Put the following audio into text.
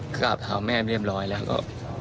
กราบเท้าแม่เรียบร้อยแล้วก็